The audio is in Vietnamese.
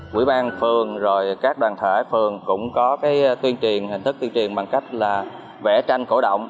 quỹ ban phường các đoàn thể phường cũng có hình thức tuyên truyền bằng cách vẽ tranh cổ động